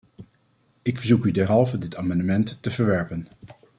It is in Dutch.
Ik verzoek u derhalve dit amendement te verwerpen.